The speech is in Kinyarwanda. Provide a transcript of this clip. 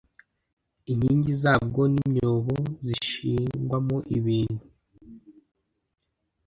inkingi zabwo n’imyobo zishingwamo ibintu